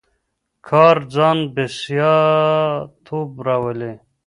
کار ځان بسیا توب راولي.